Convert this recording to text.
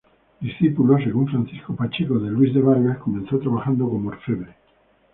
Discípulo, según Francisco Pacheco, de Luis de Vargas, comenzó trabajando como orfebre.